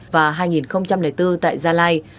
và hai nghìn bốn tại gia lai